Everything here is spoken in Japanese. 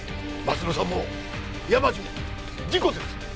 鱒乃さんも山路も事故です！